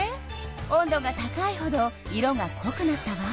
温度が高いほど色がこくなったわ。